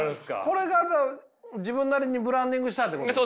これが自分なりにブランディングしたってことですか？